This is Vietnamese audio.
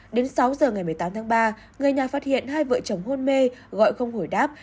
đến sáu giờ ngày một mươi tám tháng ba người nhà phát hiện hai vợ chồng hôn mê gọi không hủy đáp